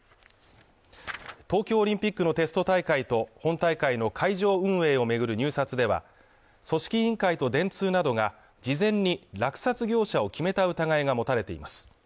東京オリンピックのテスト大会と本大会の会場運営を巡る入札では、組織委員会と電通などが事前に落札業者を決めた疑いが持たれています。